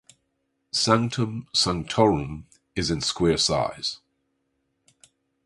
Sanctum sanctorum is in square size.